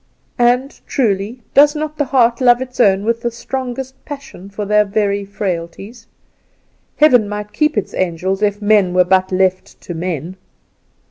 And, truly, does not the heart love its own with the strongest passion for their very frailties? Heaven might keep its angels if men were but left to men.